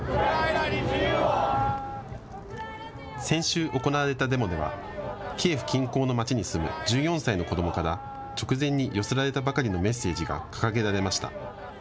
先週行われたデモではキエフ近郊の町に住む１４歳の子どもから直前に寄せられたばかりのメッセージが掲げられました。